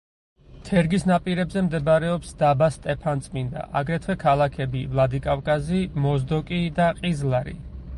თერგის ნაპირებზე მდებარეობს დაბა სტეფანწმინდა, აგრეთვე ქალაქები: ვლადიკავკაზი, მოზდოკი და ყიზლარი.